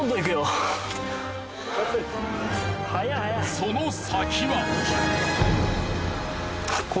その先は。